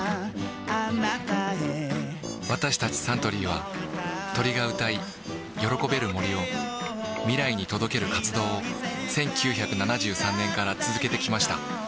私たちサントリーは鳥が歌い喜べる森を未来に届ける活動を１９７３年から続けてきました